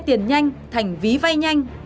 xe tiền nhanh thành ví vay nhanh